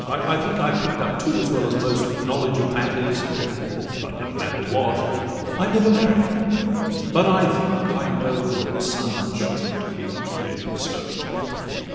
I think I pick'd up too, as well as most, Knowledge of matters—but no matter what— I never married—but, I think, I know That sons should not be educated so.